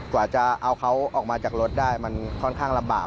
กว่าจะเอาเขาออกมาจากรถได้มันค่อนข้างลำบาก